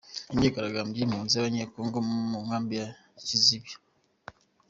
Imyigaragambyo y'impunzi z'Abanyekongo zo mu Nkambi ya Kiziba